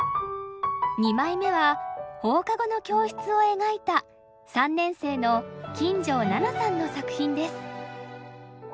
２枚目は放課後の教室を描いた３年生の金城虹色さんの作品です。